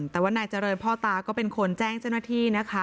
แต่ว่านายเจริญพ่อตาก็เป็นคนแจ้งเจ้าหน้าที่นะคะ